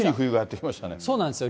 そうなんですよ。